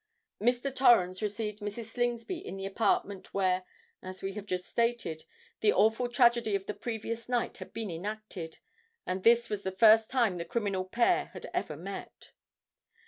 Mr. Torrens received Mrs. Slingsby in the apartment where, as we have just stated, the awful tragedy of the previous night had been enacted; and this was the first time the criminal pair had ever met.